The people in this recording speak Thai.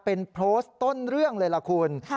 เป็นโพสต์ต้นเรื่องเลยล่ะคุณ